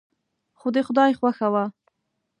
خو د خدای خوښه وه.